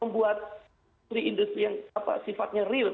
membuat industri industri yang sifatnya real